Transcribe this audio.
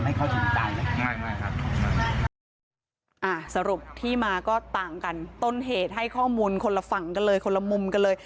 ไม่ไม่ครับอ่าสรุปที่มาก็ต่างกันต้นเหตุให้ข้อมูลคนละฝั่งกันเลยคนละมุมกันเลย